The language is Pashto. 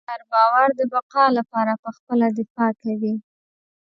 هر باور د بقا لپاره پخپله دفاع کوي.